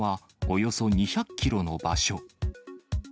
およそ２００キロの場所。